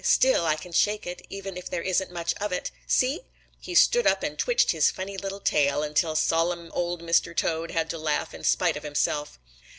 "Still I can shake it, even if there isn't much of it. See!" He stood up and twitched his funny little tail until solemn Old Mr. Toad had to laugh in spite of himself.